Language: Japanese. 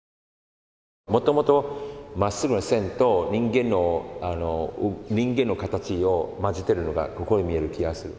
もともとまっすぐな線と人間の形を混ぜてるのがここに見える気がする。